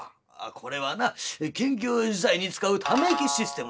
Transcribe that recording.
「これはな緊急事態に使うため息システムだ」。